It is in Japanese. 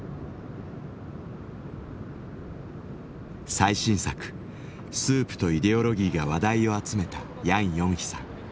最新作「スープとイデオロギー」が話題を集めたヤンヨンヒさん。